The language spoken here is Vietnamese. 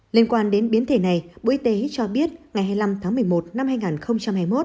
liên quan đến biến thể này bộ y tế cho biết ngày hai mươi năm tháng một mươi một năm hai nghìn hai mươi một